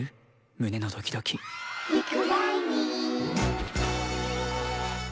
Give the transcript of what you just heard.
むねのドキドキ」「リクライニング」